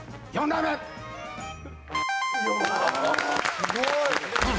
すごい！